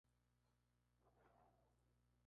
Es casado con la Sra.